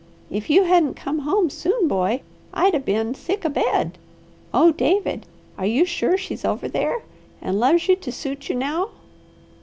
If you hadn't come soon, boy, I'd 'a' been sick a bed. Oh, David! Are you sure she's over there, and loves you to suit you now?"